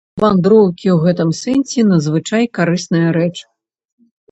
Вандроўкі ў гэтым сэнсе надзвычай карысная рэч.